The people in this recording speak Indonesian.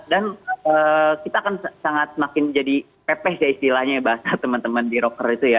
dan kita akan sangat semakin jadi pepes ya istilahnya bahasa teman teman di rocker itu ya